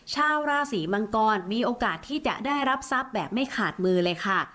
ชาวราศีมังกรมีโอกาสที่จะได้รับทรัพย์แบบไม่ขาดมือเลยค่ะ